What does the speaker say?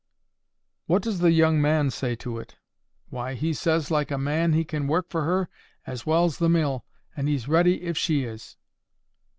"What does the young man say to it?" "Why, he says, like a man, he can work for her as well's the mill, and he's ready, if she is."